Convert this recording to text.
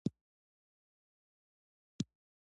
ازادي راډیو د حیوان ساتنه په اړه تاریخي تمثیلونه وړاندې کړي.